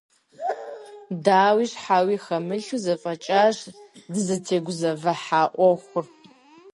Дауи щхьэуи хэмылъу зэфӀэкӀащ дызытегузэвыхьа Ӏуэхур.